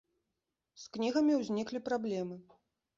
З кнігамі ўзніклі праблемы.